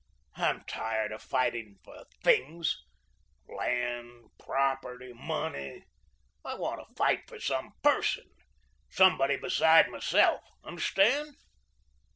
I'm tired of fighting for THINGS land, property, money. I want to fight for some PERSON somebody beside myself. Understand?